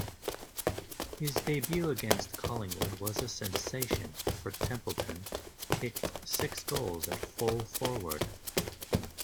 His debut against Collingwood was a sensation, for Templeton kicked six goals at full-forward.